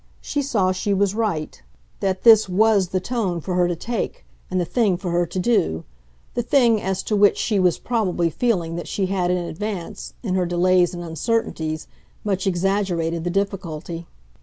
She saw she was right that this WAS the tone for her to take and the thing for her to do, the thing as to which she was probably feeling that she had in advance, in her delays and uncertainties, much exaggerated the difficulty.